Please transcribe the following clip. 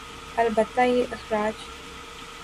البتہ یہ اخراج